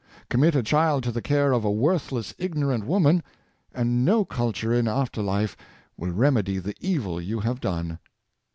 Commit a child to the care of a worthless, ignorant woman, and no culture in after life will remedy the evil you have done.